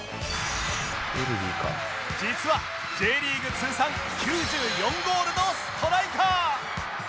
実は Ｊ リーグ通算９４ゴールのストライカー